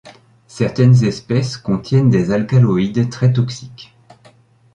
Certaines espèces contiennent des alcaloïdes très toxiques.